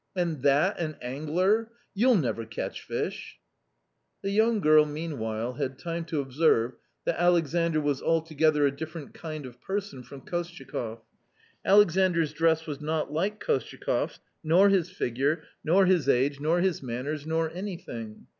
And that an angler! You'll never catch fish !" The young girl meanwhile had time to observe that Alexandr was altogether a different kind of person from Kostyakoff. Alexandr's dress was not like KostyakorFs, nor his figure, nor his age, nor his manners, nor anything.